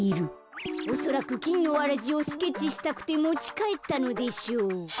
おそらくきんのわらじをスケッチしたくてもちかえったのでしょう。